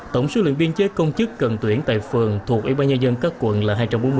tổng số lượng biên chế công chức cần tuyển tại phường thuộc ủy ban nhân dân các quận là hai trăm bốn mươi